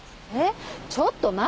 ちょっと待ってよ。